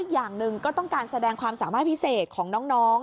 อย่างหนึ่งก็ต้องการแสดงความสามารถพิเศษของน้อง